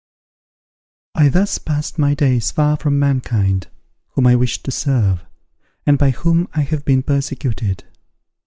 I thus passed my days far from mankind, whom I wished to serve, and by whom I have been persecuted.